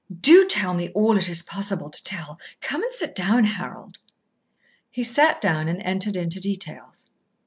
Do tell me all it is possible to tell. Come and sit down, Harold." He sat down and entered into details.